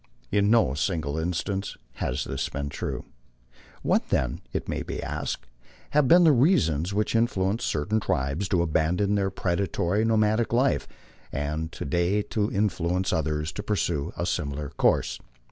In no single instance has this been true. What then, it may be asked, have been the reasons which influenced certain tribes to abandon their predatory, nomadic life, and to day to influence others to pursue a similar course?